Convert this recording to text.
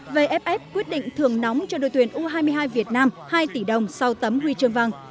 vff quyết định thưởng nóng cho đội tuyển u hai mươi hai việt nam hai tỷ đồng sau tấm huy chương vàng